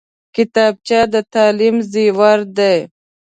کتابچه د تعلیم زیور دی